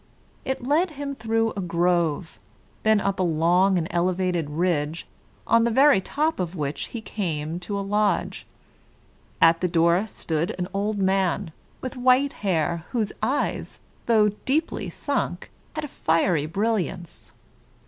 It led him through a grove, then up a long and elevated ridge, on the very top of which he came to a lodge. At the door stood an old man, with white hair, whose eyes, though deeply sunk, had a fiery brilliancy.